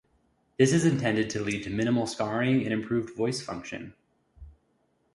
This is intended to lead to minimal scarring and improved voice function.